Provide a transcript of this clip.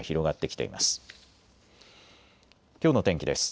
きょうの天気です。